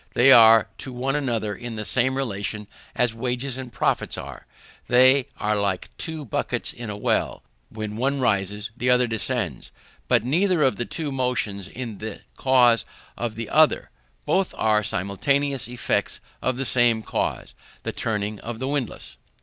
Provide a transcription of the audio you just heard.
They are to one another in the same relation as wages and profits are. They are like two buckets in a well: when one rises, the other descends, but neither of the two motions is the cause of the other; both are simultaneous effects of the same cause, the turning of the windlass.